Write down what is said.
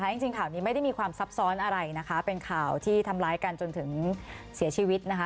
จริงข่าวนี้ไม่ได้มีความซับซ้อนอะไรนะคะเป็นข่าวที่ทำร้ายกันจนถึงเสียชีวิตนะคะ